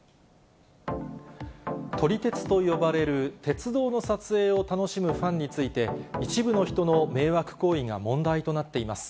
撮り鉄と呼ばれる、鉄道の撮影を楽しむファンについて、一部の人の迷惑行為が問題となっています。